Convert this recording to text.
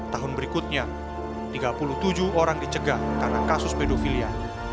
tahun berikutnya tiga puluh tujuh orang dicegah karena kasus pedofilia